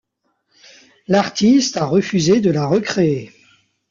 L'artiste a refusé de la recréer.